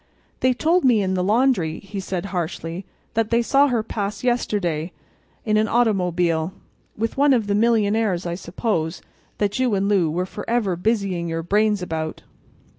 "They told me in the laundry," he said, harshly, "that they saw her pass yesterday—in an automobile. With one of the millionaires, I suppose, that you and Lou were forever busying your brains about."